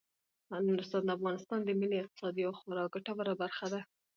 نورستان د افغانستان د ملي اقتصاد یوه خورا ګټوره برخه ده.